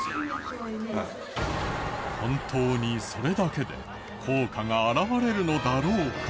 本当にそれだけで効果が表れるのだろうか？